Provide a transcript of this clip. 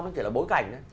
nó chỉ là bối cảnh đó